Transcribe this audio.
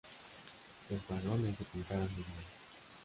Los vagones se pintaron de nuevo.